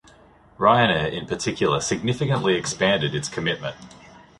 Ryanair in particular significantly expanded its commitment.